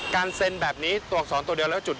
การเซ็นต์แบบนี้๒ตัวเดียวแล้วจุด